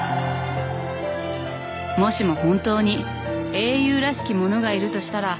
「もしも本当に英雄らしきものがいるとしたら」